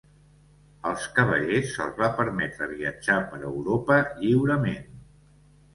Als cavallers se'ls va permetre viatjar per Europa lliurement.